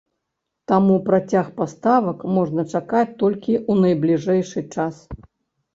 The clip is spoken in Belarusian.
Таму працяг паставак можна чакаць толькі ў найбліжэйшы час.